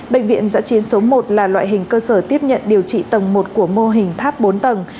bệnh viện giã chiến số một là loại hình cơ sở tiếp nhận điều trị tầng một của mô hình tháp bốn tầng